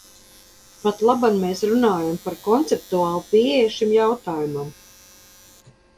Patlaban mēs runājam par konceptuālu pieeju šim jautājumam.